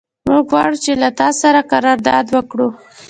موږ غواړو چې له تا سره قرارداد وکړو.